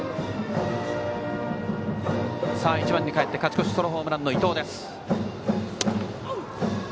１番にかえって勝ち越しソロホームランの伊藤。